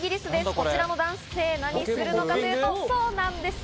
こちらの男性、何をするのかというと、そうなんです。